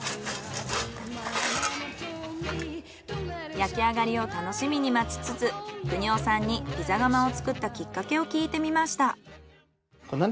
焼き上がりを楽しみに待ちつつ久男さんにピザ窯を作ったきっかけを聞いてみました。